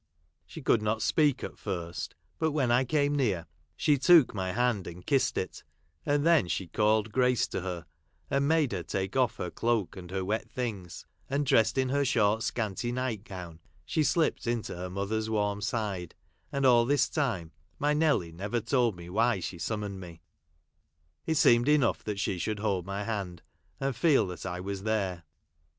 She could not speak at first ; but when I came near, she took my hand, and kissed it, and then she called Grace to her, and made her take off her cloak and her wet things, and, dressed in her short scanty night gown, she slipped in to her mother's warm side, and all this time my Nelly never told me why she summoned me ; it seemed enough that she should hold my hand, and feel that I was there.